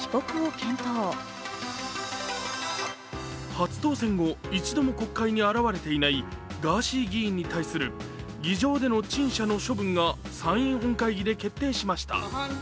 初当選後、一度も国会に現れていないガーシー議員に対する議場での陳謝の処分が参院本会議で決定しました。